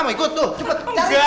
mau ikut tuh cepet